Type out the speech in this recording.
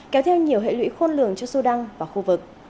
kéo theo nhiều hệ lụy khôn lường cho sudan và khu vực